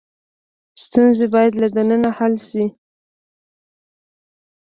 ستونزې باید له دننه حل شي.